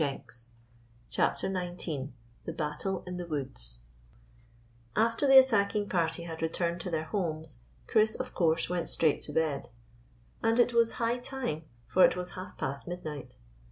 216 CHAPTER XIX THE BATTLE IN THE WOODS A FTER the attacking party had returned to their homes Chris, of course, went straight to bed ; and it was high time, for it was half past midnight.